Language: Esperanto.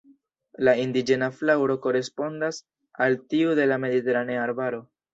La indiĝena flaŭro korespondas al tiu de la mediteranea arbaro.